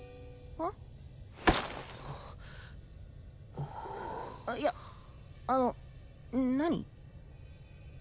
あっいやあの何？